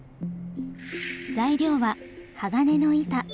材料は鋼の板。